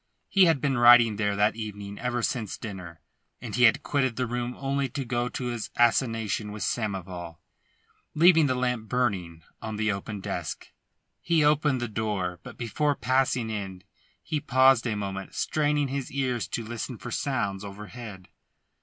He had been writing there that evening ever since dinner, and he had quitted the room only to go to his assignation with Samoval, leaving the lamp burning on his open desk. He opened the door, but before passing in he paused a moment, straining his ears to listen for sounds overhead.